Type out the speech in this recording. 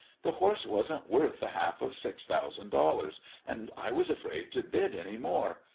"The horse wasn't worth the half of six thousand dollars, and I was afraid to bid any more.